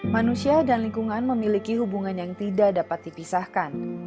manusia dan lingkungan memiliki hubungan yang tidak dapat dipisahkan